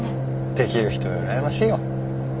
できる人は羨ましいよ。